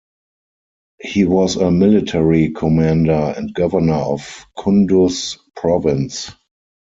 He was a military commander and governor of Kunduz province.